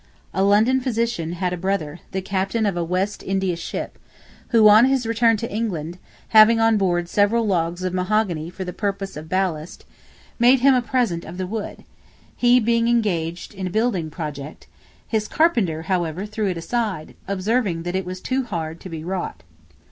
A London physician had a brother, the captain of a West India ship, who, on his return to England, having on board several logs of mahogany for the purpose of ballast, made him a present of the wood, he being engaged in a building project; his carpenter, however, threw it aside, observing that it was too hard to be wrought.